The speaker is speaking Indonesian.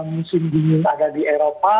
musim dingin ada di eropa